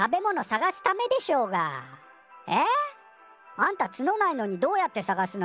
あんたツノないのにどうやって探すのよ？